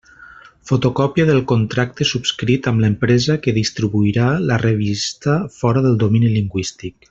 Fotocòpia del contracte subscrit amb l'empresa que distribuirà la revista fora del domini lingüístic.